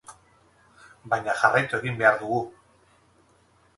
Baina jarraitu egin behar dugu.